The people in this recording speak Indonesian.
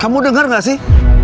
kamu denger gak sih